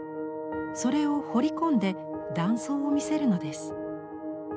それを彫り込んで断層を見せるのです。